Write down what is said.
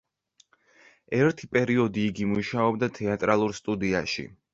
ერთი პერიოდი იგი მუშაობდა თეატრალურ სტუდიაში.